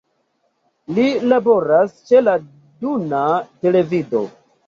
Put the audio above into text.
Li laboras ĉe la Duna Televido.